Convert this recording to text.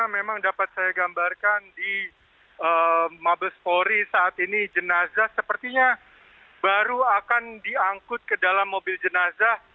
memang dapat saya gambarkan di mabes polri saat ini jenazah sepertinya baru akan diangkut ke dalam mobil jenazah